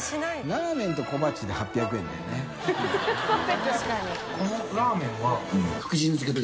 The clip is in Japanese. ラーメンと小鉢で８００円だよね水卜）